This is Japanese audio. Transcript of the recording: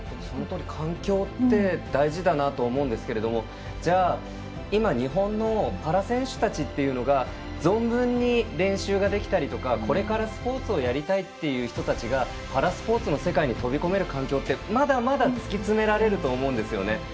そのとおり、環境って大事だなって思うんですけどじゃあ、今日本のパラ選手たちというのが存分に練習ができたりとかこれからスポーツをやりたいという人たちがパラスポーツの世界に飛び込める環境ってまだまだ突き詰められると思うんですよね。